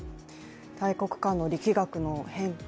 大国間の力学の変化。